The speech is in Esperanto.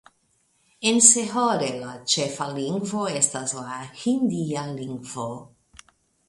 En Sehore la ĉefa lingvo estas la hindia lingvo.